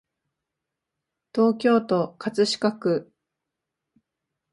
東京都葛飾区